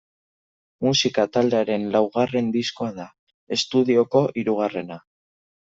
Musika taldearen laugarren diskoa da, estudioko hirugarrena.